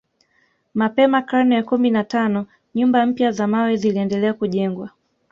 Mapema karne ya kumi na tano nyumba mpya za mawe ziliendelea kujengwa